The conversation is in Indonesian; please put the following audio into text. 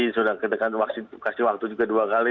sudah kasih waktu juga dua kali